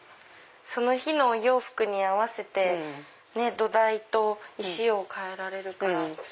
その日のお洋服に合わせて土台と石を換えられるから。